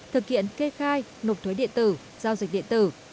thực hiện kê khai nộp thuế điện tử giao dịch điện tử